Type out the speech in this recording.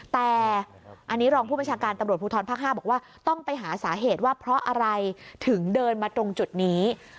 แต่อันนี้รองผู้บัญชาการตำรวจภูทรภาค๕บอกว่าต้องไปหาสาเหตุว่าเพราะอะไรถึงเดินมาตรงจุดนี้